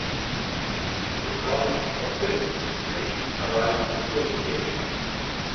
The problem of density estimation arises in two applications.